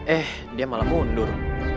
eh dia malah mundur